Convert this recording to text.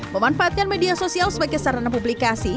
memanfaatkan media sosial sebagai sarana publikasi